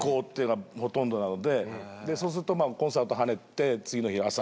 そうするとコンサートはねて次の日朝やる。